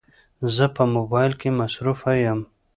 زه په موبایل کې مصروفه یم